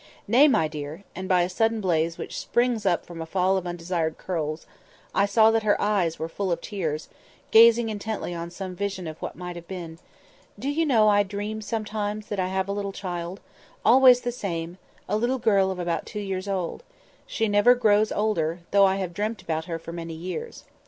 Nay, my dear" (and by a sudden blaze which sprang up from a fall of the unstirred coals, I saw that her eyes were full of tears—gazing intently on some vision of what might have been), "do you know I dream sometimes that I have a little child—always the same—a little girl of about two years old; she never grows older, though I have dreamt about her for many years.